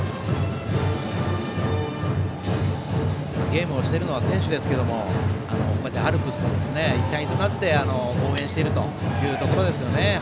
ゲームをしているのは選手ですけどもこうやってアルプスと一体となって応援しているというところですね。